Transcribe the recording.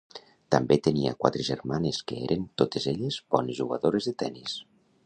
També tenia quatre germanes que eren, totes elles, bones jugadores de tennis.